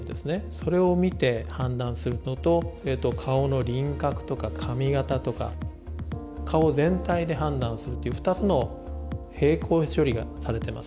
それを見て判断するのと顔の輪郭とか髪形とか顔を全体で判断するっていう２つの並行処理がされてます。